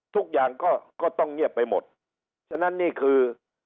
ทุกอย่างก็ก็ต้องเงียบไปหมดฉะนั้นนี่คือ